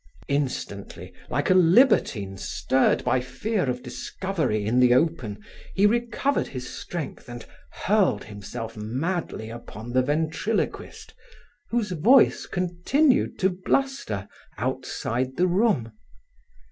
Instantly, like a libertine stirred by fear of discovery in the open, he recovered his strength and hurled himself madly upon the ventriloquist whose voice continued to bluster outside the room.